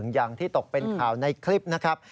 อย่างที่ตกเป็นข่าวในคลิปนะครับ